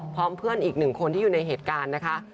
พร้อมเพื่อนอีกหนึ่งคนที่อยู่ในเหตุการณ์นะคะ